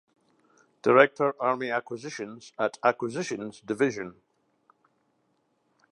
Director Army Acquisitions at Acquisitions Division.